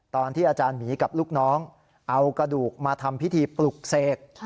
ตอนที่อาจารย์หมีกับลูกน้องเอากระดูกมาทำพิธีปลุกเสก